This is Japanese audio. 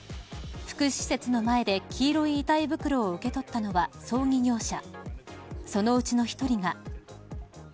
福祉施設の前で黄色い遺体袋を受け取ったのは葬儀業者。